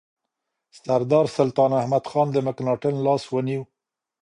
سردار سلطان احمدخان د مکناتن لاس ونیو.